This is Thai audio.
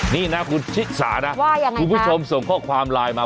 นี่นะคุณชิสานะคุณผู้ชมส่งข้อความไลน์มา